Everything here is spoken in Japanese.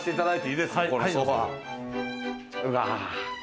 うわ。